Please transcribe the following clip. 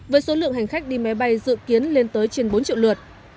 với số lượng hành khách đi máy bay dự kiến lên tới trên bốn triệu lượt